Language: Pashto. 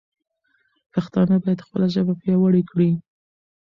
پښتانه باید خپله ژبه پیاوړې کړي.